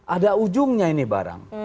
ada ujungnya ini barang